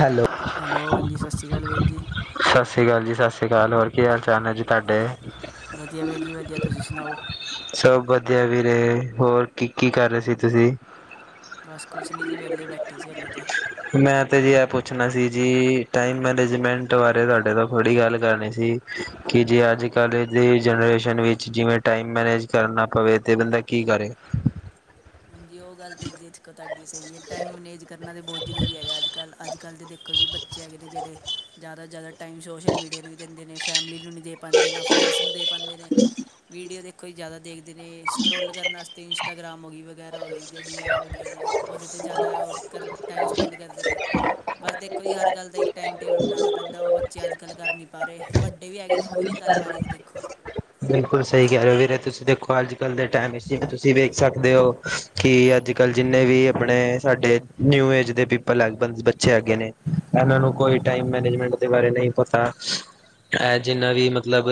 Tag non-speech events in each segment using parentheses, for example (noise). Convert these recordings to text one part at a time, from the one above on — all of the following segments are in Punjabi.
ਹੈਲੋ ਹੈਲੋ ਹਾਂਜੀ ਸਤਿ ਸ਼੍ਰੀ ਅਕਾਲ ਵੀਰ ਜੀ ਸਤਿ ਸ਼੍ਰੀ ਅਕਾਲ ਜੀ ਸਤਿ ਸ਼੍ਰੀ ਅਕਾਲ ਹੋਰ ਕੀ ਹਾਲ ਚਾਲ ਹੈ ਜੀ ਤੁਹਾਡੇ ਵਧੀਆ ਵੀਰ ਜੀ ਵਧੀਆ ਤੁਸੀ ਸੁਨਾਓ? ਸਬ ਵਧੀਆ ਵੀਰੇ, ਹੋਰ ਕੀ, ਕੀ ਕਾਰੇ ਸੀ ਤੂਸੀ? ਬਸ ਕੁਛ ਨੀ ਜੀ ਵੇਲੇ ਬੈਠੇ ਸੀ ਹਲੇ ਤੇ। ਮੈਂ ਤੇ ਜੀ ਏ ਪੁੱਛਣਾ ਸੀ ਜੀ, ਟਾਈਮ ਮੈਨੇਜਮੈਂਟ ਬਾਰੇ ਤੂਆਡੇ ਤੋ ਥੋੜੀ ਗਾਲ ਕਰਨੀ ਸੀ। ਕਿ ਜੇ ਅੱਜ ਕਾਲ ਦੀ ਜਨਰੇਸ਼ਨ ਵਿਚ ਜਿਵੇਂ ਟਾਈਮ ਮੈਨੇਜ ਕਰਨਾ ਪਵੇ ਤੇ ਬੰਦਾ ਕੀ ਕਰੇ? ਹਾਂਜੀ, ਓ ਗਲ ਤੇ (unintelligible) ਤੂਆਡੀ ਸਈ ਏ ਟਾਈਮ ਮਨੇਜ ਕਰਨਾ ਤੇ ਬੋਤ ਜਰੂਰੀ ਹੈਗਾ ਅਜ- ਕਲ, ਅਜ ਕਲਦੇ ਦੇਖੋ ਜੀ ਬੱਚੇ ਹੈਗੇ ਨੇ ਜੇੜੇ ਜਾਦਾ ਤੋ ਜਾਦਾ ਟਾਈਮ ਸੋਸ਼ਲ ਮੀਡੀਆ ਨੂ ਈ ਦੇਂਦੇ ਨੇ, ਫੈਮਲੀ ਨੂ ਨੀ ਦੇ ਪਾਂਦੇ, ਨਾ ਫੈ੍ਂਡਸ ਨੂ ਦੇ ਪਾਂਦੇ ਨੇ ਵੀਡੀਓ ਦੇਖੋ ਈ ਜਾਦਾ ਦੇਖਦੇ ਨੇ, ਸਕਰੋਲ ਕਰਨ ਆਸਤੇ ਇੰਸਟਾਗ੍ਰਾਮ ਹੋਗੀ ਵਗੈਰਾ ਹੋਗੀ ਜੇੜੀ ਏ ਹੋਗੀਆਂ ਨੇ, ਓਦੇ ਤੇ ਜਾਦਾ, ਓ ਕਰ ਟਾਈਮ ਸਪੈਂਡ ਕਰਦੇ ਨੇ ਬਸ, ਦੇਖੋ ਈ ਹਰ ਗਲ ਦਾ ਇੱਕ ਟਾਈਮ ਟੇਬਲ ਬਨਾਣਾ ਪੈਂਦਾ ਓ ਬੱਚੇ ਅਜ ਕਲ ਕਰ ਨੀ ਪਾਰੇ, ਵੱਡੇ ਵੀ ਹੈਗੇ ਨੇ ਓ ਵੀ ਨੀ ਕਰ ਪਾਰੇ ਜੀ ਦੇਖੋ ਬਿਲਕੁਲ ਸਈ ਕੈਰੇ ਓ ਵੀਰੇ ਤੁਸੀ ਦੇਖੋ ਅਜ ਕਲ ਦੇ ਟਾਈਮ (unintelligible) ਤੁਸੀ ਵੇਖ ਸਕਦੇ ਓ ਕਿ ਅਜ ਕਲ ਜਿਨੇ ਵੀ ਅਪਣੇ, ਸਾਡੇ ਨਿਊ ਏਜ ਦੇ ਪੀਪਲ (unintelligible) ਬੱਚੇ ਹੈਗੇ ਨੇ ਏਨਾ ਨੂ ਕੋਈ ਟਾਈਮ ਮੈਨੇਜਮੈਂਟ ਦੇ ਬਾਰੇ ਨਈ ਪਤਾ (unintelligible) ਜਿਨਾ ਵੀ ਮਤਲਬ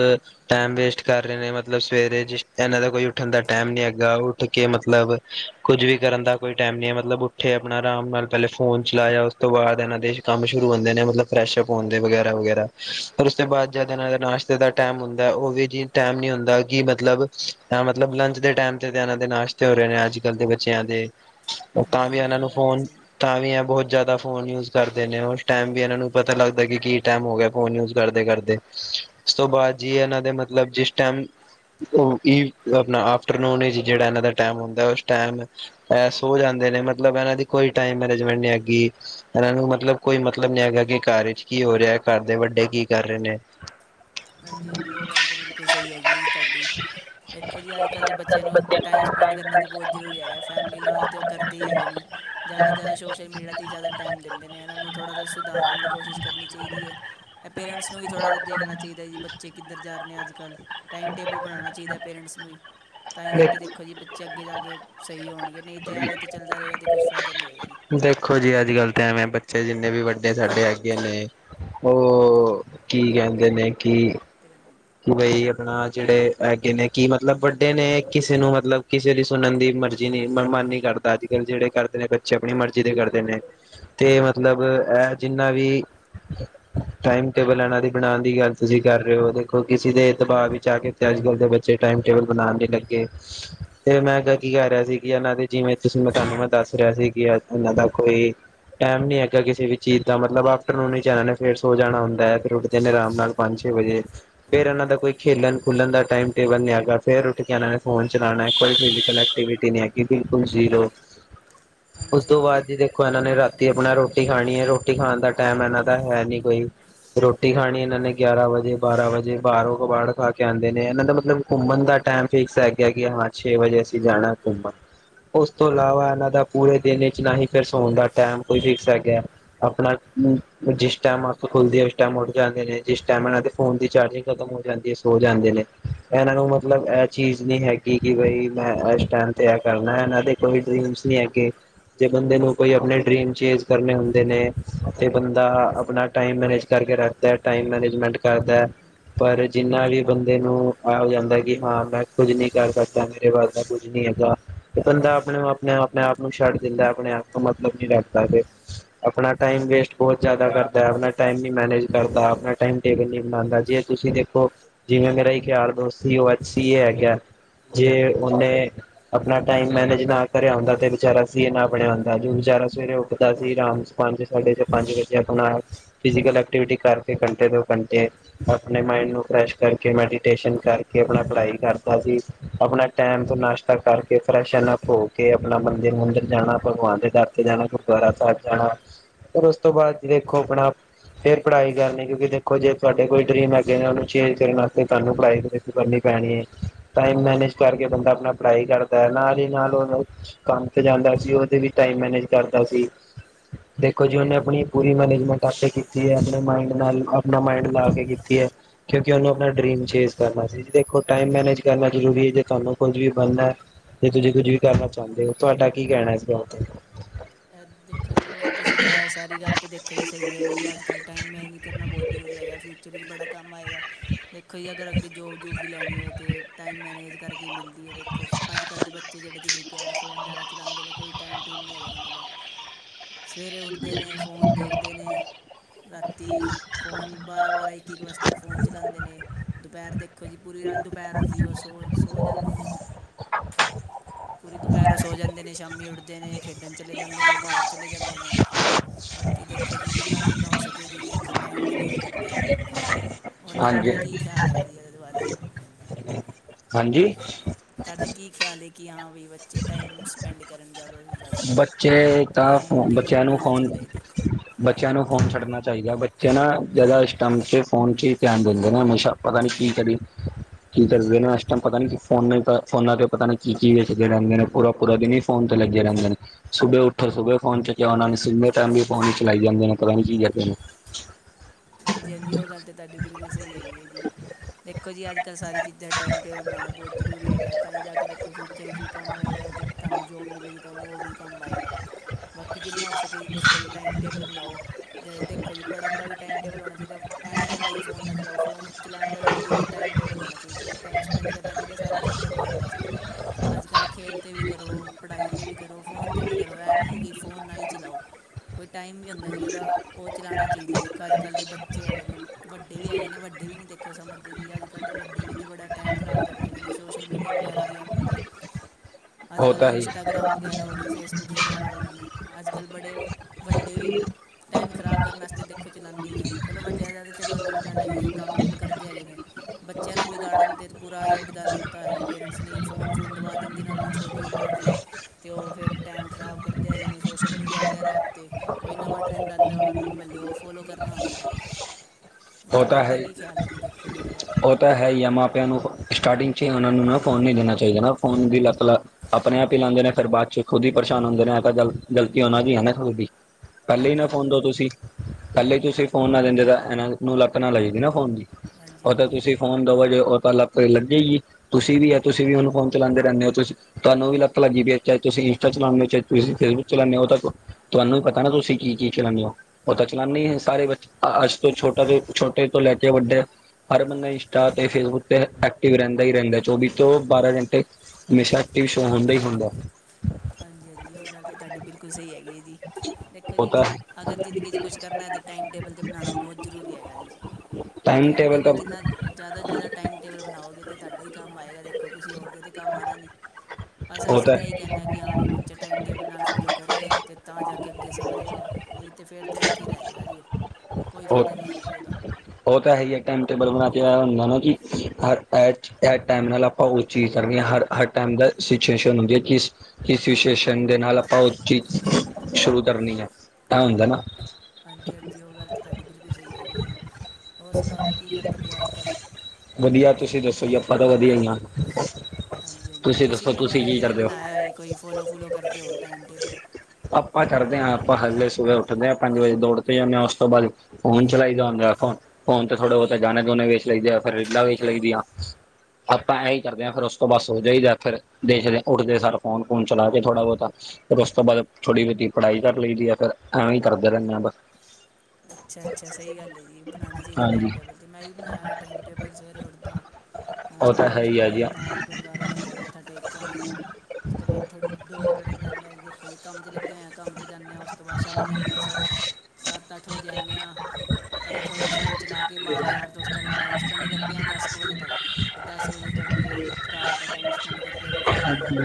ਟੈਮ ਵੇਸਟ ਕਾਰੇ ਨੇ, ਮਤਲਬ ਸਵੇਰੇ (unintelligible) ਏਨਾ ਦਾ ਕੋਈ ਉਠਨ ਦਾ ਟੈਮ ਨੀ ਹੈਗਾ ਉਠ ਕੇ ਮਤਲਬ, ਕੁਝ ਵੀ ਕਰਨ ਦਾ ਕੋਈ ਟੈਮ ਨੀ ਐ ਮਤਲਬ ਉਠੇ ਅਪਨਾ ਅਰਾਮ ਨਾਲ ਪੈਲੇ ਫੋਨ ਚਲਾਯਾ ਤੋ ਬਾਦ ਏਨਾ ਦੇ ਕੰਮ ਸ਼ੁਰੂ ਹੋਂਦੇ ਨੇ ਮਤਲਬ ਫ੍ਰੈਸ਼ਅਪ ਹੋਨਦੇ ਵਗੈਰਾ, ਵਗੈਰਾ (unintelligible) ਉਸਦੇ ਬਾਦ ਜਦ ਏਨਾ ਦੇ ਨਾਸ਼ਤੇ ਦਾ ਟੈਮ ਹੁੰਦੈ, ਓ ਵੀ ਜੀ ਟੈਮ ਨੀ ਹੁੰਦਾ ਕਿ ਮਤਲਬ, ਮਤਲਬ ਲੰਚ ਦੇ ਟੈਮ (unintelligible) ਏਨਾ ਦੇ ਨਾਸ਼ਤੇ ਹੋਰੇ ਨੇ ਅਜ ਕਲ ਦੇ ਬੱਚਆਂ ਦੇ, ਤਾਂ ਹਾਂਜੀ ਵੀ ਹਾਂਜੀ ਏਨਾਂ ਉਹ ਨੂੰ ਗੱਲ ਤੇ ਫੋ਼ਨ ਸਹੀ ਹੈ ਤਾਂ ਵੀ ਐ ਬੋਤ ਜਾਦਾ ਫੋ਼ਨ ਯੂਜ਼ ਕਾਰਦੇ ਨੇ ਐਰ ਟੈਮ ਵੀ ਏਨਾਂ ਨੂ ਪਤਾ ਲਗਦਾ ਕਿ, ਕੀ ਟੈਮ ਹੋਗਆ ਫੋ਼ਨ ਯੂਜ਼ ਕਾਰਦੇ ਕਾਰਦੇ (unintelligible) ਉਸ ਤੋ ਬਾਦ ਜੀ ਏਨਾ ਦੇ ਮਤਲਬ ਜਿਸ ਟੈਮ (unintelligible) ਆਪਨਾ ਆਫ਼ਟਰਨੂਨ ਜੇੜਾ ਏਨਾ ਦਾ ਟੈਮ ਹੁੰਦਾ ਐ ਉਸ ਟੈਮ ਐ ਸੋ ਜਾਂਦੇ ਨੇ, ਮਤਲਬ ਏਨਾਂ ਦੀ ਕੋਈ ਟਾਈਮ ਮੈਨੇਜਮੈਂਟ ਨੀ ਹੈਗੀ। ਏਨਾ ਨੂ ਮਤਲਬ ਕੋਈ ਮਤਲਬ ਨੀ ਹੈਗਾ ਕਿ ਘਰ ਇਚ ਕੀ ਹੋ ਰੇਆ, ਘਾਰ ਦੇ ਵੱਡੇ ਕੀ ਕਾਰੇ ਨੇ ਹਾਂਜੀ, ਹਾਂਜੀ ਓ ਗਲ ਤੇ ਬਿਲਕੁਲ ਸਈ ਹੈਗੀ ਏ ਜੀ ਤੂਆਡੀ। ਦੇਖੋ ਜੀ ਅਜ ਕਲ ਦੇ ਬੱਚੇਆਂ ਨੂ ਟਾਈਮ ਸਪੈਂਡ ਕਰਨਾ ਤੇ ਬੋਤ ਜਰੂਰੀ ਹੈਗਾ ਫੈ਼ਮਲੀ ਨਾਲ ਤੇ ਓ ਕਰਦੇ ਹੈਗੇ ਨੀ ਜਾਦਾ ਤੋ ਜਾਦਾ ਸੋਸ਼ਲ ਮੀਡੀਆ ਤੇ ਜਾਦਾ ਟੈਮ ਦੇਂਦੇ ਨੇ, ਏਨਾਂ ਨੂ ਥੋੜਾ ਜਾ ਸੁਧਾਰਨ ਦੀ ਕੋਸ਼ਿਸ਼ ਕਰਨੀ ਚਾਈਦੀ ਏ। ਐ ਪੇਰੈਂਟਸ ਨੂ ਵੀ ਥੋੜਾ ਜਾ ਦੇਖਨਾ ਚਾਈਦਾ ਜੀ ਬੱਚੇ ਕਿਧਰ ਜਾ ਰੇ ਨੇ ਅਜ ਕਲ, ਟਾਈਮ ਟੇਬਲ ਬਨਾਨਾ ਚਾਈਦਾ ਪੇਰੈਂਟਸ ਨੂ ਈ ਤਾਂਈ ਜਾ ਕੇ ਦੇਖੋ ਜੀ ਬੱਚੇ ਅਗੇ ਜਾ ਕੇ, ਸਹੀ ਹੋਣਗੇ ਨਈ ਤੇ ਐਵੇਂ ਤੇ ਚਲਦਾ ਰੇਗਾ ਤੇ ਕੁਛ ਫਾਏਦਾ ਨਈ ਹੋਏਗਾ। ਦੇਖੋ ਜੀ ਅਜ ਕਲ ਤੇ ਐਵੇਂ ਬੱਚੇ ਜਿਨੇ ਵੀ ਵੱਡੇ ਸਾਡੇ ਹੈਗੇ ਨੇ ਉਹ ਕੀ ਕੈਂਦੇ ਨੇ ਕੀ (unintelligible) (inaudible) ਕਿ ਬਈ ਅਪਣਾ ਜੇੜੇ ਹੈਗੇ ਨੇ, ਕੀ ਮਤਲਬ ਵੱਡੇ ਨੇ, ਕਿਸੇ ਨੂ ਮਤਲਬ, ਕਿਸੇ ਦੀ ਸੁਨਨ ਦੀ ਮਜ ਜੀਨੀ ਮਨਮਾਨੀ ਕਰਦਾ ਅਜ ਕਲ ਜੇੜੇ ਕਾਰਦੇ ਨੇ ਬੱਚੇ ਅਪਨੀ ਮਰਜੀ ਦੇ ਕਰਦੇ ਨੇ। ਤੇ ਮਤਲਬ, ਐ ਜਿਨਾ ਵੀ ਟਾਈਮ ਟੇਬਲ ਏਨਾਂ ਦੀ ਬਣਾਨ ਦੀ ਗਲ ਤੂਸੀ ਕਾਰੇ ਓ ਕਿਸੇ ਦੇ ਦਬਾਬ ਇਚ ਆ ਕੇ ਅਜ ਕਲ ਦੇ ਬੱਚੇ ਟਾਈਮ ਟੇਬਲ ਬਨਾਨ ਨੀ ਲਗੇ ਤੇ ਮੈਂਤਾਂ ਕੀ ਕੈ ਰੇਆ ਸੀ ਕਿ ਏਨਾ ਦੇ ਜਿਵੇਂ ਤੂਸੀ ਮੈਂ ਤੁਆਨੂ ਮੈਂ ਦਸ ਰੇਆ ਸੀ ਕਿ ਏਨਾ ਦਾ ਕੋਈ ਟੈਮ ਨੀ ਹੈਗਾ ਕਿਸੇ ਵੀ ਚੀਜ ਦਾ ਮਤਲਬ ਆਫਟਰਨੂਨ ਇਚ ਐਨਾ ਨੇ ਫੇਰ ਸੋ ਜਾਣਾ ਹੂਂਦੈ ਫੇਰ ਉਠਦੇ ਨੇ ਅਰਾਮ ਨਾਲ ਪੰਜ ਛੇ ਵਜੇ ਫੇਰ ਐਨਾ ਦਾ ਕੋਈ ਖੇਲਨ-ਖੁਲਨ ਦਾ ਟਾਈਮ ਟੇਬਲ ਨੀ ਹੈਗਾ, ਫੇਰ ਉਠ ਕੇ ਐਨਾ ਨੇ ਫੋ਼ਨ ਚਲਾਣਾ ਕੋਈ ਫਿਜਿ਼ਕਲ ਐਕਟੀਵਿਟੀ ਨੀ ਹੈਗੀ। ਕੀ ਬਿਲਕੁਲ ਜ਼ੀਰੋ (inaudible) ਉਸ ਤੋ ਬਾਦ ਜੀ ਦੇਖੋ ਐਨਾ ਨੇ ਰਾਤੀ ਅਪਣਾ ਰੋਟੀ ਖਾਣੀ ਏ ਰੋਟੀ ਖਾਨ ਦਾ ਟੈਮ ਏਨਾ ਦਾ ਹੈ ਨੀ ਕੋਈ ਰੋਟੀ ਖਾਣੀ ਐਨਾ ਨੇ ਗਿਆਰਾਂ ਵਜੇ, ਬਾਰਾਂ ਵਜੇ। ਜੇ ਬਾਹਰੋਂ ਕਬਾੜ ਖਾ ਕੇ ਆਂਦੇ ਨੇ, ਇਹਨਾਂ ਦਾ ਮਤਲਬ ਘੁੰਮਣ ਦਾ ਟਾਈਮ ਫਿਕਸ ਹੈਗਾ ਕਿ ਹਾਂ। ਛੇ ਵਜੇ ਅਸੀਂ ਜਾਣਾ ਘੁੰਮਣ। ਉਸ ਤੋਂ ਇਲਾਵਾ ਇਹਨਾਂ ਦਾ ਪੂਰੇ ਦਿਨ ਵਿੱਚ ਨਾ ਹੀ ਫਿਰ ਸੌਣ ਦਾ ਟੇਮ ਕੋਈ ਫਿਕਸ ਹੇਗਾ। ਆਪਣਾ ਜਿਸ ਟੈਮ ਅੱਖ ਖੁੱਲਦੀ ਹੈ ਉਸ ਟਾਈਮ ਉੱਠ ਜਾਂਦੇ ਨੇ ਜਿਸ ਟਾਈਮ ਇਹਨਾਂ ਦੇ ਫੋਨ ਦੀ। ਚਾਰਜਿੰਗ ਖਤਮ ਹੋ ਜਾਂਦੀ ਹੈ ਸੋ ਜਾਂਦੇ ਨੇ। ਐਂਨਾਂ ਨੂੰ ਮਤਲਬ ਇਹ ਚੀਜ਼ ਨਹੀਂ ਹੈਗੀ ਕਿ ਬਈ ਮੈਂ ਇਸ ਟਾਈਮ ਤੇ ਇਹ ਕਰਨਾ ਇਹਨਾਂ ਦੇ। ਕੋਈ ਡ੍ਰੀਮਸ ਨਹੀਂ ਹੈਗੇ। ਜੇ ਬੰਦੇ ਨੂੰ ਕੋਈ ਆਪਣੇ ਡਰੀਮ ਚੇਜ ਕਰਨੇ ਹੁੰਦੇ ਨੇ ਤੇ ਬੰਦਾ ਆਪਣਾ ਟਾਈਮ ਮੈਨੇਜ ਕਰਕੇ ਰੱਖ। ਟਾਈਮ ਮੈਨੇਜਮੈਂਟ ਕਰਦਾ। ਪਰ ਜਿੰਨਾ ਵੀ ਬੰਦੇ ਨੂੰ ਆ ਹੋ ਜਾਂਦਾ ਕਿ ਹਾਂ ਮੈਂ ਕੁੱਝ ਨਹੀਂ ਕਰ ਸਕਦਾ ਮੇਰੇ ਵਸ ਦਾ ਕੁੱਝ ਨਹੀਂ ਹੈਗਾ। ਬੰਦਾ ਆਪਣੇ ਆਪਣੇ ਆਪਣੇ ਆਪ ਨੂੰ ਛੱਡ ਦਿੰਦਾ ਆਪਣੇ ਆਪ ਨੂੰ ਮਤਲਬ ਨੀ ਰੱਖਦਾ ਤੇ। ਆਪਣਾ ਟਾਈਮ ਵੇਸਟ ਬਹੁਤ ਜ਼ਿਆਦਾ ਕਰਦਾ, ਆਪਣਾ ਟਾਈਮ ਨੀ ਮੈਨੇਜ ਕਰਦਾ, ਆਪਣਾ ਟਾਈਮ ਟੇਬਲ ਨੀ ਬਣਾਉਦਾ ਜੇ। ਤੁਸੀਂ ਦੇਖੋ ਜਿਵੇਂ ਮੇਰਾ ਯਾਰ ਦੋਸਤ ਸੀ ਉਹ ਅੱਜ ਸੀਏ ਹੈਗਾ। ਜੇ ਓਨੇ। ਆਪਣਾ ਟਾਈਮ ਮੈਨੇਜ ਨਾ ਕਰਿਆ ਹੁੰਦਾ ਤੇ ਬੇਚਾਰਾ ਸੀਏ ਨਾ ਬਣਿਆ ਹੁੰਦਾ ਜੋ ਬੇਚਾਰਾ ਸਵੇਰੇ ਉੱਠਦਾ ਸੀ ਆਰਾਮ। ਪੰਜ ਸਾਢੇ ਕ ਪੰਜ ਵਜੇ ਆਪਣਾ ਫਿਜ਼ਕਲ ਐਕਟੀਵਿਟੀ ਕਰਕੇ ਘੰਟੇ ਦੋ ਘੰਟੇ। ਆਪਣੇ ਮਾਇਡ ਨੂੰ ਫਰੈਸ਼ ਕਰਕੇ ਮੈਡੀਟੇਸ਼ਨ ਕਰਕੇ ਆਪਣਾ ਪੜਾਈ ਕਰਦਾ ਸੀ ਆਪਣਾ। ਟੈਮ ਤੋਂ ਨਾਸ਼ਤਾ ਕਰਕੇ ਫਰੈਸ਼ ਐਨ ਅੱਪ ਹੋਕੇ ਆਪਣਾ ਮੰਦਿਰ-ਮੁੰਦਿਰ ਜਾਣਾ ਭਗਵਾਨ ਦੇ ਦਰ। ਜਾਣਾ ਗੁਰੂਦੁਆਰਾ ਸਾਹਿਬ ਜਾਣਾ। ਫਿਰ ਉਸ ਤੋਂ ਬਾਅਦ ਦੇਖੋ ਆਪਣਾ ਫੇਰ ਪੜ੍ਹਾਈ ਕਰਨੀ ਕਿਉਂਕਿ ਦੇਖੋ ਜੇ ਤੁਹਾਡੇ ਕੋਈ। ਡਰੀਮ ਹੈਗੇ ਉਹਨੂੰ ਚੇਂਜ ਕਰਨ ਵਾਸਤੇ ਧਾਨੂੰ ਪੜ੍ਹਾਈ ਕਰਨੀ ਪੈਣੀ ਹੈ। ਟਾਈਮ ਮੈਨੇਜ ਕਰਕੇ ਬੰਦਾ ਆਪਣਾ ਪੜ੍ਹਾਈ ਕਰਦਾ ਹੈ ਨਾਲ ਹੀ ਨਾਲ ਓਹਨੁ। ਕੰਮ ਤੇ ਜਾਂਦਾ ਸੀ ਉਹਦੇ ਵੀ ਟਾਈਮ ਮੈਨੇਜ ਕਰਦਾ ਸੀ। ਦੇਖੋ ਜੀ ਉਹਨੇ ਆਪਣੀ ਪੂਰੀ ਮੈਨੇਜਮੈਂਟ ਆਪੇ ਕੀਤੀ ਹੈ ਆਪਣੇ ਮਾਇੰਡ ਨਾਲ ਆਪਣਾ ਮਾਇੰਡ ਲਾ ਕੇ ਕੀਤਾ। ਤੇ ਹੈ। ਕਿਉਂਕਿ ਉਹਨੂੰ ਆਪਣਾ ਡਰੀਮ ਚੇਂਜ ਕਰਨਾ ਸੀ ਦੇਖੋ ਟਾਈਮ ਮੈਨੇਜ ਕਰਨਾ ਜ਼ਰੂਰੀ ਹੈ ਤੁਹਾਨੂੰ ਕੁਝ ਵੀ ਬਣਨਾ ਜੇ ਤੁਸੀਂ ਕੁੱਝ ਵੀ ਕਰਨਾ ਚਾਹੁੰਦੇ ਹੋ ਤੁਹਾਡਾ ਕੀ ਕਹਿਣਾ ਇਸ ਗੱਲ ਤੇ। ਦੇਖੋ ਜੀ, ਜੋ ਵੀ ਤੁਸੀਂ ਕਿਹਾ ਸਾਰੀ ਗੱਲ ਤਾਂ ਦੇਖੋ ਜੀ ਸਹੀ ਹੈਗੀ ਹੈ। ਅੱਜ-ਕੱਲ੍ਹ ਟਾਈਮ ਮੈਨੇਜ ਕਰਨਾ ਬਹੁਤ ਜ਼ਰੂਰੀ ਹੈਗਾ ਫਿਰ। 'ਚ ਵੀ ਬੜਾ ਕੰਮਏਗਾ ਦੇਖੋ ਜੀ ਅਗਰ ਅੱਗੇ ਜੋਬ-ਜੂਬ ਵੀ ਲੈਣੀ ਹੋਵੇ ਤਾਂ ਟਾਈਮ ਮੈਨੇ। ਨੇਜ ਕਰਕੇ ਈ ਮਿਲਦੀ ਹੈ ਦੇਖੋ ਅੱਜ-ਕੱਲ੍ਹ ਦੇ ਬੱਚੇ ਜਿਹੜੇ ਤੁਸੀਂ। ਕੈਐ ਫੋਨ ਜ਼ਿਆਦਾ ਚਲਾਉਂਦੇ ਨੇ ਕੋਈ ਟਾਈਮ-ਟੂਈਮ ਨਹੀਂ ਹੈਗਾ ਉਹਨਾਂ ਦਾ। ਸਵੇਰੇ ਉੱਠਦੇ ਨੇ ਫੋਨ ਦੇਖਦੇ ਨੇ ਰਾਤੀ ਫੋਨ ਬਾਰਾਂ- ਬਾਰਾਂ ਇੱਕ-ਇੱਕ ਵਜੇ ਤੱਕ ਫ਼ੋਨ ਚਲਾਉਂਦੇ ਨੇ ਏ। ਦੁਪੈਰ ਦੇਖੋ ਜੀ ਪੂਰੀ ਰਾਤ ਦੂਪੈਰ ਹੁੰਦੀ ਉਹ ਸੋ ਸੋ ਜਾਂਦੇ ਨੇ। ਪੂਰੀ ਦੁਪੈਰ ਓ ਸੋ ਜਾਂਦੇ ਨੇ, ਸ਼ਾਮੀ ਉੱਠਦੇ ਨੇ ਖੇਡਣ ਚਲੇ ਜਾਂਦੇ ਨੇ, ਬਾਹਰ ਚਲੇ ਜਾਂਦੇ। ਦੇ ਨੇ ਬਾਕੀ ਦੇਖੋ ਜੀ ਜਿੰਨਾ-ਜਿੰਨਾ ਹੋ ਸਕੇ ਜੀ, ਦੇਖੋ ਟਾਈਮ ਮੈਨੇਜ ਕਰਨਾ। ਹੋਰ ਤੁਹਾਡਾ ਹਾਂਜੀ ਕੀ ਖਿਆਲ ਹੈਗਾ ਜੀ ਇਹਦੇ ਬਾਰੇ। ਹਾਂਜੀ। ਧਾਡਾ ਕੀ ਖਿਆਲ ਹੈ ਕਿ ਹਾਂ ਵੀ ਬੱਚੇ ਟਾਈਮ ਸਪੈਂਡ ਕਰਨ ਜ਼ਿਆਦਾ ਤੋਂ ਜ਼ਿਆਦਾ। ਕਿਵੇਂ? ਟਾਈਮ ਟੇਬਲ ਬਣਾਣਾ ਚਾਹੀਦਾ ਜੀ ਦੇਖੋ। ਬੱਚਿਆਂ ਨੂੰ ਫੋਨ ਛੱਡਣਾ ਚਾਹੀਦਾ ਬੱਚੇ ਨਾ ਜਿਆਦਾ ਇਸ ਟਾਈਮ 'ਚ ਫੋਨ 'ਚ ਹੀ ਧਿਆਨ ਦਿੰਦੇ ਨੇ ਹਮੇਸ਼ਾ। ਪਤਾ ਨੀ ਕੀ ਕਰੀਏ। (inaudible) ਕੀ ਕਰਦੇ ਨੇ ਇਸ ਟਾਈਮ ਪਤਾ ਨੀ, ਫੋਨ ਫੋਨਾਂ ਤੇ ਪਤਾ ਨੀ ਕੀ-ਕੀ ਦੇਖਦੇ ਰਹਿੰਦੇ ਨੇ ਪੂਰਾ ਪੂਰਾ ਦਿਨ ਹੀ। ਫੋਨ ਤੇ ਲੱਗੇ ਰਹਿੰਦੇ ਨੇ ਸੁਬੇ ਉੱਠੋ ਸੁ। ਫੋਨ ਚਿਆ ਉਹਨਾਂ ਨੇੇ ਟਾਈਮ ਵੀ ਫੋਨ ਹੀ ਚਲਾਈ ਜਾਂਦੇ ਨੇ ਪਤਾ ਨ ਕੀ ਜਾਂਦੇ ਨੇ (unintelligible) ਹਾਂਜੀ- ਹਾਂਜੀ ਉਹ ਗੱਲ ਤਾਂ ਤੁਹਾਡੀ ਬਿਲਕੁਲ ਸਹੀ ਹੈਗੀ ਹੈ ਜੀ। ਦੇਖੋ ਜੀ ਅੱਜ ਕੱਲ੍ਹ ਸਾਰੀ ਚੀਜ਼ਾਂ ਟਾਈਮ ਟੇਬਲ ਬਣਾਉਂਣਾ ਬਹੁਤ ਜ਼ਰੂਰੀ ਹੈਗਾ ਤਾਂ ਹੀ ਜਾ ਕੇ ਦੇਖੋ ਫਿਊਚਰ ਵਿੱਚ ਵੀ ਕੰਮ ਆਏਗਾ। ਤੁਹਾਨੂੰ ਜੋਬ ਮਿਲੇਗੀ ਤੁਹਾਨੂੰ ਉਹ ਵੀ ਕੰਮ ਆਏਗਾ। ਬਾਕੀ ਜਿੰਨਾ ਹੋ ਸਕੇ ਜੀ ਦੇਖੋ ਜੀ ਟਾਈਮ ਟੇਬਲ ਬਣਾਓ ਦੇਖੋ ਜੀ ਪੜ੍ਹਨ ਦਾ ਵੀ ਟਾਈਮ ਟੇਬਲ ਹੋਣਾ ਚਾਹੀਦਾ, ਐਂ ਨਹੀਂ ਕਹਿੰਦੇ ਕਿ ਫੋਨ ਨਾ ਚਲਾਓ ਫੋਨ ਚਲਾਉਣ ਦਾ ਵੀ ਕੋਈ ਇੱਕ ਟਾਈਮ ਟੇਬਲ ਹੋਣਾ ਚਾਹੀਦਾ ਜੀ ਟਾਈਮ ਸਪੈਂਡ ਕਰਨਾ ਚਾਹੀਦਾ ਸਾਰੀ ਚੀਜ਼ਾਂ 'ਤੇ ਕਰਨਾ ਚਾਹੀਦਾ। ਅੱਜ ਕੱਲ੍ਹ ਖੇਲ ਤੇ ਵੀ ਕਰੋ ਪੜ੍ਹਾਈ ਤੇ ਵੀ ਕਰੋ ਫੋਨ ਤੇ ਵੀ ਕਰੋ ਇਹ ਨੀ ਹੈ ਕਿ ਫੋਨ ਨਾ ਹੀ ਚਲਾਓ ਕੋਈ ਟਾਈਮ ਵੀ ਹੁਦਾ ਓਦਾ ਫੋਨ ਚਲਾਉਣਾ ਚਾਹੀਦਾ ਦਾ ਜੀ। ਦੇਖੋ ਅੱਜ ਕੱਲ ਦੇ ਬੱਚੇ ਹੈਗੇ ਨੇ ਵੱਡੇ ਵੀ ਹੈਗੇ ਨੇ ਵੱਡੇ ਵੀ ਨਹੀਂ ਦੇਖੋ ਸਮਝਦੇ ਜ ਅੱਜ ਕੱਲ ਦੇ ਵੱਡੇ ਵੀ ਤਾਂ ਬੜਾ ਟਾਈਮ ਖ਼ਰਾਬ ਕਰਦੇ ਹੋਏ ਨੇ ਸੋਸ਼ਲ ਮੀਡੀਆ ਵਗੈਰਾ ਦੀ ਐਪਾਂ 'ਤੇ ਅੱਜ ਉਹ ਕੱਲ੍ਹ ਤਾਂ ਹੈ ਇੰਸਟਾਗ੍ਰਾਮ ਵਗੈਰਾ ਹੋਗੀ ਫੇਸਬੁੱਕ ਵਗੈਰਾ ਹੋ ਗਈ, ਅੱਜ ਕੱਲ ਬੜੇ ਵੱਡੇ ਵੀ ਟਾਈਮ ਖਰਾਬ ਕਰਨ ਵਾਸਤੇ ਦੇਖੋ ਚਲਾਉਂਦੀ ਨੇ ਚਲੋ ਵੱਡਿਆਂ ਦਾ ਤੇ ਚਲੋ ਅਲੱਗ ਗੱਲ ਹੈਗੀ। ਉਹ ਕੰਮ ਕੁਮ ਕਰਦੇ ਹੈਗੇ ਨੇ ਬੱਚਿਆਂ ਨੂੰ ਵਿਗਾੜਨ ' ਪੂਰਾ ਯੋਗਦਾਨ ਦਿੱਤਾ। ਤਾ ਦੀ ਪੇਰੈਂਟਸ ਨੇ ਫੋਨ, ਫੋਨ ਦਵਾ ਦਿੰਦੇ ਨੇ ਉਹਨਾਂ ਨੂੰ ਛੋਟੀ ਉਮਰਾਂ 'ਤੇ ਹੀ ਤੇ ਉਹ ਫੇਰ ਟੈਮ ਖ਼ਰਾਬ ਕਰਦੇ ਹੈਗੇ ਨੇ ਸੋਸ਼ਲ ਮੀਡੀਆ ਵਗੈਰਾ ਐਪ ਤੇ ਕੋਈ ਨਵਾਂ ਟਰੈਂਡ ਆਉਂਦਾ ਉਹਨਾਂ ਨੂੰ ਪਹਿਲੇੇ ਉਹ ਫਾਲੋ ਕਰਨਾ ਹੁੰਦਾ ਹੈ। ਉਹ ਬਸ ਤਾ ਹੈ ਤੁਹਾਡਾ ਇਹ ਕੀ ਖਿਆਲ ਹੈ ਜੀ ਦੇਖੋ ਜੀ ਇਹਦੇ ਬਾਰੇ ਉਹ ਤਾਂ ਹੈ ਇਹ ਮਾਪਿਆਂ ਬਚਿਆ ਨੂੰ ਉਹ ਸਟਾਰਟਿੰਗ ਚ ਉਹ ਨੂੰ ਨਾ ਫੋਨ ਨਹੀਂ ਦੇਣਾ ਚਾਹੀਦਾ ਨਾ ਫੋਨ ਦੀ ਲਾਤ ਆਪਣੇ ਆਪ ਹੀ ਲਉਂਦੇ ਨੇ ਫਿਰ ਬਾਅਦ ਚ ਖੁਦ ਹੀ ਪਰੇਸ਼ਾਨ ਹੁੰਦੇ ਨੇ ਗਲ ਗਲਤੀ ਹੋਣਾ ਦੀ ਹਨ ਖੂਦ ਦੀ ਪਹਿਲੇਾਂ ਹੀ ਹਾਂਜੀ ਨਾ ਫੋਨ ਹਾਂਜੀ ਦੋ ਤੁਸੀਂ ਪਹਿਲੇਾਂ ਹੀ ਤੁਸੀਂ ਫੋਨ ਨਾ ਦਿੰਦੇ ਤਾਂ ਇਹਨਾਂ ਨੂੰ ਲੱਤ ਨਾ ਲੱਗਦੀ ਨਾ ਫੋਨ ਦੀ ਹਾਂਜੀ ਉਹ ਤਾਂ ਹਾਂਜੀ ਤੁਸੀਂ ਫੋਨ ਦੋਜੇ ਉਹ ਤਾਂ ਲ ਲੱਗੇ ਹੀ ਤੁਸੀਂ ਵੀ ਹੈ ਤੁਸੀਂ ਵੀਨੂੰ ਫੋਨ ਚਲਾਉਂਦੇ ਰਹਿੰਦੇ ਹੋ ਤੁਸੀਂ ਤੁਹਾਨੂੰ ਵੀ ਲਤ ਲੱਗੀ ਦੀ ਹੈ ਚਾਹੇ ਤੁਸੀਂ ਇੰਸਟਾ ਚਲਾਉਦੇ ਹੋ ਤੁਸੀਂ ਫੇਸੁੱਕ ਚਉਂਦੇ ਹੋ ਤਾਂ ਤੁਹਾਨੂੰ ਵੀ ਪਤਾ ਨਾ ਤੁਸੀਂ ਕੀ ਕੀ ਚਲਾਉਾਨ ਹੋ ਉਹ ਤਾਂ ਚਲਾਉਾਨਦੇ ਸਾਰੇ ਬੱਚੇ ਅੱਜ ਤੋਂ ਛੋਟ ਛੋਟੇ ਤੋਂ ਲੈ ਕੇ ਵੱਡੇ ਹਰ ਬੰਦਾ ਇੰਸਟਾ ਤੇ ਫੇਸਬੁੱਕ ਤੇ ਐਕਟਿਵ ਰਹਿੰਦਾ ਹੀ ਰਹਿੰਦਾ ਚੌਵੀ ਤੋਂ ਬਾਰਾਂ ਘੰਟੇ ਹਮੇਸ਼ਾ ਟੀ ਵੀ ਸ਼ੋਅ ਹੁੰਦਾ ਹੀ ਹੁੰਦਾ। ਹਾਂਜੀ, ਹਾਂਜੀ ਉਹ ਗੱਲ ਤਾਂ ਤੁਹਾਡੀ ਬਿਲਕੁਲ ਸਹੀ ਹੈਗੀ ਹੈ ਜੀ ਦੇਖੋ ਉਹ ਜੀ ਤਾਂ ਅਗਰ ਜ਼ਿੰਦਗੀ 'ਚ ਕੁਛ ਕਰਨਾ ਤਾਂ ਟਾਈਮ ਟੇਬਲ 'ਤੇ ਬਣਾਉਣਾ ਬਹੁਤ ਜ਼ਰੂਰੀ ਹੈਗਾ ਜੀ। ਟਾਈਮ ਟੇਬਲ ਜਿੰਨਾ ਜ਼ਿਆਦਾ ਤੋਂ ਜ਼ਿਆਦਾ ਟਾਈਮ ਟੇਬਲ ਬਣਾਓਗੇ ਤਾਂ ਤੁਹਾਡਾ ਹੀ ਕੰਮ ਆਏਗਾ। ਦੇਖੋ ਕਿਸਸੀੇ ਹੋਰ ' ਤਾਂ ਕਾਮ ਆਣਾ ਨੀ ਬਸ ਉਹ ਅਸੀ ਤਾਂ ਤਿ ਆ ਏਹੀ ਕਹਿੰਦੇ ਹਾਂ ਕਿ ਹਾਂ ਵੀ ਬੱਚ ਟਾਈਮ ਟੇਬਲ ਨਾਲ ਫੋਲੋ ਕਰੇ ਅਤੇ ਤਾਂ ਜਾ ਕੇ ਅੱਗੇ ਸਵਰੇਗਾ ਉਹ ਨਹੀਂ ਤਾਂ ਫਿਰ ਤਾਂ ਇੱਥੇ ਹੀ ਰਹਿ ਜਾਵੇਗਾ ਜੀ ਉਹ। ਕੋਈ ਫਾਇਦਾ ਨਹੀਂ ਹੋਣਾ ਜੀ ਉਹਦਾ। ਹੋ ਤਾਂ ਹੈ ਹੀ ਇੱਕ ਟਾਈਮ ਟੇਬਲ ਬਣਾ ਕੇ ਨ ਕੀ ਐ ਹਰ ਐਢ ਚ ਐ ਟਾਈਮ ਨਾਲ ਆਪਾਂ ਉਹ ਚੀਜ਼ ਕਰਨੀ ਹੈ ਹਰ, ਹਰ ਟਾਈਮ ਦਾ ਸਿਚੁਏਸ਼ਨ ਹੁੰਦੀ ਹੈ ਕਿ ਅ ਇਸ ਸਿਚਏਸ਼ਨ ਦੇ ਨਾਲ ਆਪਾਂ ਉਹ ਚੀ ਸ਼ੁਰੂ ਕਰਨੀ ਹੈ, ਤਾ ਹੁੰਦਾ ਨਾ ਹਾਂਜੀ, ਹਾਂਜੀ ਉਹ ਗੱਲ ਤਾਂ ਤੁਹਾਡੀ ਬਿਲਕੁਲ ਸਹੀ ਹੈਗੀ ਹੈ, ਜੀ ਹੋਰ ਸੁਣਾਓ ਜੀ ਕੀ ਕਰਦੇ ਪਏ ਅੱਜ ਕੱਲ੍ਹ ਵਧੀਆ ਤੁਸੀਂ ਦੱਸੋ ਜੀ ਆਪਾਂ ਤਾਂ ਵਧੀਆ ਹੀ ਆ। ਹਾਂਜੀ, ਹਾਂਜੀ ਤੁਸੀਂ ਕੋਈ ਟਾਈਮ ਟੇਬਲ ਬਣਾਇਆ ਹੋਏ ਕੋਈ ਫੋਲੋ, ਫੋਲੋ ਕਰਦੇ ਹੋ ਟਾਈਮ ਟੇਬਲ ਆਪਾਂ ਕਰਦੇ ਹਾਂ ਆਪਾਂ ਹਲੇ ਸਵੇਰੇ ਉੱਠਦੇ ਹਾਂ ਪੰਜ ਵਜੇ ਦੌੜਦੇ ਹਾਂ ਮੇ ਉਸ ਤੋਂ ਬਾਅਦ ਫੋਨ ਚਲਾਈਦਾ ਹੁੰਦਾ ਫੋ ਫੋਨ ਤਾਂ ਥੋੜੇ ਬਹੁਤੇ ਜਾਣੇ ਦੂਣੇ ਵੇਚ ਲੈਂਦੇ ਆ ਫਿਰ ਰੀਲਾਂ ਵੇਖ ਲਦੀਆ। ਆਪਾਂ ਐਂ ਹੀ ਕਰਦੇ ਹਾਂ ਫਿਰ ਉਸ ਤੋਂ ਬਸ ਹੋ ਜਾਈਦਾ ਫਿਰ ਦੇਖ ਉਠਦੇ ਸ ਸਰ ਫੋਨ, ਫੋਨ ਚਲਾ ਕੇ ਥੋੜਾ ਬਹੁਤਾ ਫਿਰ ਉਸ ਤੋਂ ਬਾਅਦ ਥੋੜ੍ਹੀ ਬਹੁਤੀ ਪੜ੍ਹਾਈ ਕਰ ਲਈੈਂਦੀ ਆ ਫਿਰ ਐਵੇਂ ਹੀ ਕਰਦੇ ਰਹਿੰਦੇ ਆ ਬਸ ਅੱਛਾ, ਅੱਛਾ ਸਹੀ ਗੱਲ। ਹੈ ਜੀ ਬਣਾਉਣਾ ਚਾਹੀਦਾ ਹਾਂਜੀ ਟਾਈਮ ਟੇਬਲ ਤੇ ਮੈਂ ਵੀ ਬਣਾਇਆ ਟਾਈਮ ਟੇਬਲ ਸਵੇਰੇ ਉੱਠਦਾ ਉਹ ਨਾਸ਼ਤਾ ਤਾਂ ਹੈ ਹੀ ਨੂਸ਼ਤਾ ਆ ਜੀ ਕਰਦਾ ਗੁਰਦੁਆਰੇ ਮੱਥਾ ਟੂੱਥਾ ਟੇਕ ਕੇ ਆਉਂਦੇ ਹਾਂ। ਉਸ ਤੋਂ ਬਾਅਦ ਥੋੜੀ ਦੌੜ ਕੱਰਨ ਜਾਂਦੇ ਹਾਂ ਜ ਦੇੋਖੋ ਜੀ ਕਾਮ ਤੇ ਲੱਗੇ ਹੋਏ ਆ ਕੰਮ 'ਤੇ ਜਾਂਦੇ ਹਾਂ ਉਸ ਤੋਂ ਬਾਅਦ ਸ਼ਾਮੀਂ ਸੱਤ ਸੱਤ ਅੱਠ ਵਜੇ ਆਣੇ ਆਂ। ਇਹ ਧੋੜਾ ਫ਼ੋਨ ਚਲਾ ਕੇ, ਬਾਹਾਰ ਯਾਰ ਦੋਸਤਾਂ ਨਾਲ ਟਾਈਮ ਸਪੈਂਡ ਕਰਦੇ ਆਂ ਦਸ ਕੁ ਵਜੇ ਤੱਕ ਅਤੇ ਦਸ ਵਜੇ ਤੋਂ ਅੱਗੇ ਘਰ ਦਾ ਟਾਈਮ ਸਪੈਂਡ ਕਰਦੇ ਆ ਜੀ, ਘਰ ਦੇਆਂ ਨਾਲ।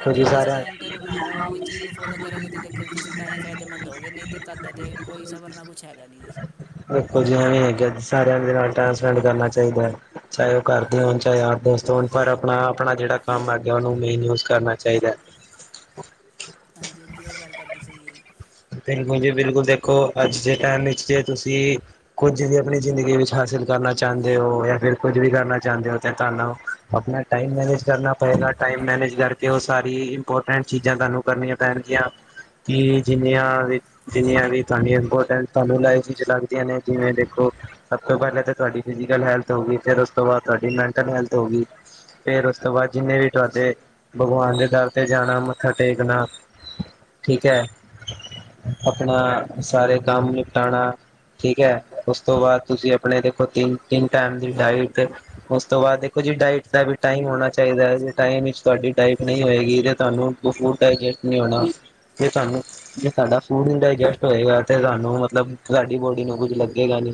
ਦੇਖੋ ਜੀ ਅਸੀਂ ਟਾਈਮ ਟੇਬਲ ਬਣਾਇਆ, ਉਹਹੀ ਚੀਜ਼ ਨੂੰ ਫੋਲੋ ਕਰੋਗੇ ਦੇਖ ਖਲ ਤੁਸੀਂ ਤਾਂ ਹੀ ਫ਼ਾਇਦੇਮੰਦ ਹੋਗੇ, ਨਈਂ ਤੇ ਤੁਆਡਾ ਤੇ ਕੋਈ ਸਫ਼ਰ ਨਾ ਕੁਛ ਹੈਗਾ ਨਈਂ ਜੀ। ਬਿਲਕੁਲ ਜੀ ਇਹ ਵੀ ਹੈਗਾ ਸਾਰਿਆਂ ਦੇ ਨਾਲ ਟਾਈਮ ਸਪੈਂਡ ਕਰਨਾ ਚਾਹੀਦਾ ਹੈ। ਚਾਹੇ ਉਹ ਘਰ ਦੇ ਹੋਣ ਚਾਹੇ ਯਾਰ ਦੋਸਤ। ਫੋਨ ਪਰ ਆਪਣਾ ਆਪਣਾ ਜਿਹੜਾ ਕੰਮ ਹੈਗਾ। ਉਹਨੂੰ ਮੇਨ ਯੂਜ ਕਰਨਾ ਚਾਹੀਦਾ ਹੈ। ਹਾਂਜੀ ਹਾਂਜੀ, ਉਹ ਗੱਲ ਤੁਆਡੀ ਸਹੀ ਐ ਜੀ। ਬਿਲਕੁਲ ਜੀ, ਬਿਲਕੁਲ ਦੇਖੋ, ਅੱਜ ਦੇ ਟਾਈਮ ਵਿੱਚ ਜੇ ਤੁਸੀਂ ਕੁੱਝ ਵੀ ਆਪਣੀ ਜ਼ਿੰਦਗੀ ਵਿੱਚ ਹਾਸਿਲ ਕਰਨਾ ਚਾਹੁੰਦੇ ਹੋ, ਜਾਂ ਫਿਰ ਕੁੱਝ ਵੀ ਕਰਨਾ ਚਾਹੁੰਦੇ ਹੋ ਤੇ ਤੁਹਾਨੂੰ ਆਪਣਾ ਟਾਈਮ ਮੈਨੇਜ ਕਰਨਾ ਪਏਗਾ, ਟਾਈਮ ਮੈਨੇਜ ਕਰਕੇ ਤੇ ਉਹ ਸਾਰੀ ਇੰਪੋਰਟੈਂਟ ਚੀਜ਼ਾਂ ਤੁਹਾਨੂੰ ਕਰਨੀਆਂ ਪੈਣਗੀਆਂ। ਕਿ ਜਿੰਨੀਆਂ ਵੀ ਜਿੰਨੀਆਂ ਵੀ ਤੁਹਾਡੀਆਂ ਇੰਪੋਰਟੈਂਟ ਤੁਹਾਨੂੰ ਲਾਈਫ ਵਿੱਚ ਲੱਗਦੀਆਂ ਨੇਂ ਜਿਵੇਂ ਦੇਖੋ, ਸਭ ਤੋਂ ਪਹਿਲਾਂ ਤਾਂ ਤੁਹਾਡੀ ਫ਼ਿਜ਼ੀਕਲ ਹੈਲਥ। ਹੋਗੀ, ਫਿਰ ਉਸ ਤੋਂ ਬਾਅਦ ਤੁਹਾਡੀ ਮੈਂਟਲ ਹੈਲਥ ਹੋ ਗਈ। ਫੇਰ ਉਸ ਤੋਂ ਬਾਅਦ ਜਿੰਨੇ ਵੀ ਤੁਹਾਡੇ, ਭਗਵਾਨ ਦੇ ਦਰ ਤੇ ਜਾਣਾ ਮੱਥਾ ਟੇਕਣਾ। ਠੀਕ ਏ, ਆਪਣਾ ਸਾਰੇ ਕੰਮ ਨਿਪਟਾਣਾ। ਠੀਕ ਐ, ਉਸ ਤੋਂ ਬਾਅਦ ਤੁਸੀਂ ਆਪਣੇ ਦੇਖੋ ਤਿੰਨ, ਤਿੰਨ ਟਾਈਮ ਦੀ ਡਾਇਟ ਉਸ ਤੋਂ ਬਾਅਦ ਦੇਖੋ ਜੀ, ਡਾਇਟ ਦਾ ਵੀ ਟਾਈਮ ਹੋਣਾ ਚਾਹੀਦਾ ਜੀ ਹੈ। ਟਾਈਮ ਵਿੱਚ ਤੁਹਾਡੀ ਡਾਇਟ ਨਹੀਂ ਹੋਏਗੀ ਤੇ ਤੁਹਾਨੂੰ ਉਹ ਫੂਡ ਡਾਇਜੈਸਟ ਨਈਂ ਹੋਣਾ, ਜੇ ਤੁਹਾਨੂੰ, ਜੇ ਸਾਡਾ ਫੂਡ ਨਹੀਂ ਡਾਇਜੈਸਟ ਹੋਏਗਾ ਤੇ ਸਾਨੂੰ ਮਤਲਬ ਸਾਡੀ ਬੋਡੀ ਨੂੰ ਕੁੱਝ ਲੱਗੇਗਾ ਨੀਂ,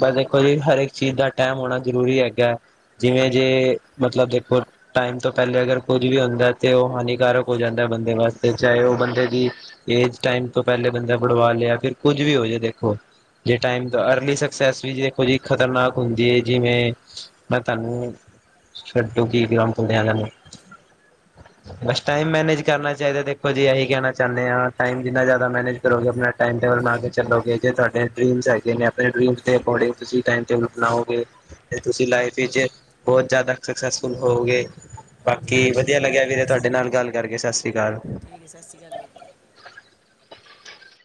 ਬਸ ਦੇਖੋ ਜੀ ਹਰ ਇਕ ਚੀਜ਼ ਦਾ ਟਾਈਮ ਹੋਣਾ ਜ਼ਰੂਰੀ ਹੈਗਾ ਐ, ਜਿਵੇਂ ਜੇ ਮਤਲਬ ਦੇਖੋ ਟਾਈਮ ਤੋਂ ਪਹਿਲੇ ਅਗਰ ਕੁੱਝ ਵੀ ਹੁੰਦਾ ਤੇ ਉਹ ਹਾਨੀਕਾਰਕ ਹੋ ਜਾਂਦਾ ਐ, ਬੰਦੇ ਵਾਸਤੇ, ਚਾਹੇ ਉਹ ਬੰਦੇ ਦੀ ਏਜ ਟਾਈਮ ਤੋਂ ਪਹਿਲੇ ਬੰਦਾ ਬੜਵਾ ਲਿਆ ਫਿਰ ਕੁੱਝ ਵੀ ਹੋਜੇ ਦੇਖੋ। ਜੇ ਟਾਈਮ ਤੋਂ, ਅਰਲੀ ਸਕਸੈਸ ਵੀ, ਦੇਖੋ ਜੀ ਖ਼ਤਰਨਾਕ ਹੁੰਦੀ ਹੈ ਜਿਵੇਂ ਮੈਂ ਤੁਹਾਨੂੰ, ਛੱਡੂ ਕੀ ਕਰਾਉ ਮੁੰਡਿਆਂ ਦਾ ਵੀ। (inaudible) ਬਸ ਟਾਈਮ ਮੈਨੇਜ ਕਰਨਾ ਚਾਹੀਦਾ। ਦੇਖੋ ਜੀ, ਇਹੀ ਕਹਿਣਾ ਚਾਹੁੰਦੇ ਹਾਂ, ਟਾਈਮ ਜਿੰਨਾ ਜ਼ਿਆਦਾ ਮੈਨੇਜ ਕਰੋਗੇ ਆਪਣਾ ਟਾਈਮ ਟੇਬਲ ਬਣਾ ਕੇ ਚੱਲੋਗੇ, ਜੇ ਤੁਹਾਡੇ ਅੱਗੇ ਡਰੀਮਜ ਆਪਣੇ ਡਰੀਮ ਦੇ ਅਕਾਉੜਿੰਗ ਤੁਸੀਂ ਟਾਈਮ ਟੇਬਲ ਬਣਾਉਗੇ। ਫੇਰ ਤੁਸੀਂ ਲਾਈਫ ਵਿੱਚ ਬਹੁਤ ਜ਼ਿਆਦਾ ਸਕਸੈਸਫੁੱਲ ਹੋਔਗੇ। ਹਾਂਜੀ ਬਾਕੀ ਹਾਂਜੀ ਉਹ ਵਧੀਆ ਗੱਲ ਤੇ ਲੱਗਿਆ ਵੀਰੇ, ਤੁਹਾਡੀ ਸਹੀ ਤੁਹਾਡੇ ਹੈ ਨਾਲ ਜੀ। ਗੱਲ ਕਰਕੇ ਸਤਿ ਸ਼੍ਰੀ ਅਕਾਲ। ਠੀਕ ਹੈ ਸਤਿ ਸ਼੍ਰੀ ਅਕਾਲ ਵੀਰ ਜੀ